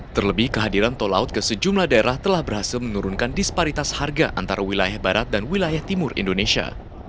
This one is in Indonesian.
terlebih kehadiran tol laut ke sejumlah daerah telah berhasil menurunkan disparitas harga antara wilayah barat dan wilayah timur indonesia